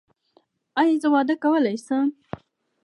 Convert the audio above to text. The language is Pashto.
ایا زه واده کولی شم؟